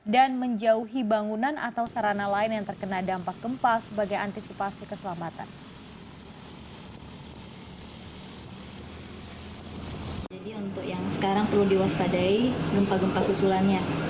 dan menjauhi bangunan atau sarana lain yang terkena dampak gempa sebagai antisipasi keselamatan